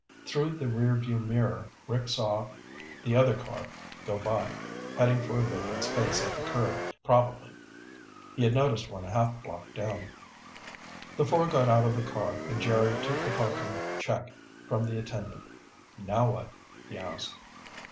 Through the rearview mirror Rick saw the other car go by, heading for a vacant space at the curb, probably. He had noticed one a half block down. The four got out of the car and Jerry took the parking check from the attendant. "Now what?" he asked.